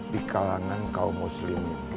di kalangan kaum muslim